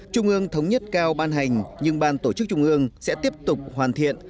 trung ương thống nhất cao ban hành nhưng ban tổ chức trung ương sẽ tiếp tục hoàn thiện